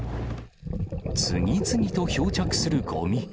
次々と漂着するごみ。